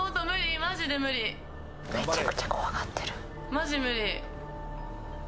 マジ無理。